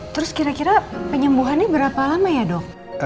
terus kira kira penyembuhannya berapa lama ya dok